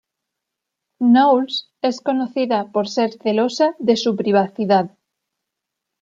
Knowles es conocida por ser celosa de su privacidad.